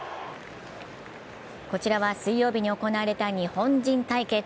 こちらは水曜日に行われた日本人対決。